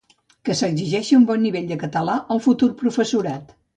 Que s'exigeixi un bon nivell de català al futur professorat.